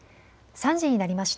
３時になりました。